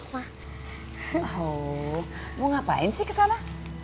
mau ngapain sih kesana